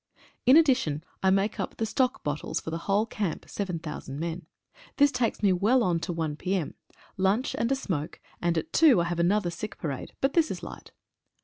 In addition I make up the stock bottles for the whole camp (7,000 men). This takes me well on to 1 p.m. — lunch and a smoke, and at 2 I have another sick parade, but this is 1 ight.